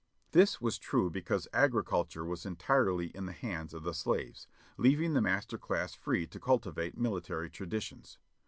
"This was true because agriculture was entirely in the hands of the slaves, leaving the master class free to cultivate military tra ditions.